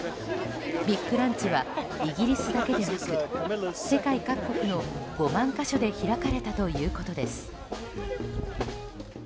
ビッグランチはイギリスだけでなく世界各国の５万か所で開かれたということです。